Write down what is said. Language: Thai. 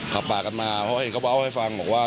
ขับปากันมาเพราะเห็นเขาเอาให้ฟังบอกว่า